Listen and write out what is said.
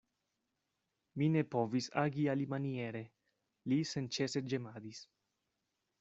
Mi ne povis agi alimaniere, li senĉese ĝemadis.